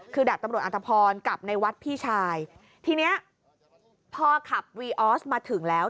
คือดาบตำรวจอัตภพรกับในวัดพี่ชายทีเนี้ยพอขับวีออสมาถึงแล้ว